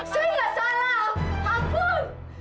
mereka tidak mau menangkap mama